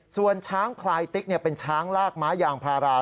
ส่วนช้างพลายติ๊กเป็นช้างลากไม้ยางพารา